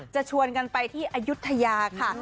ชวนกันไปที่อายุทยาค่ะ